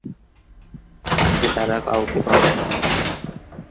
পাশে তারা কাউকে পাবে না।